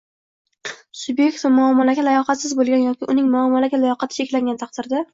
subyekt muomalaga layoqatsiz bo‘lgan yoki uning muomala layoqati cheklangan taqdirda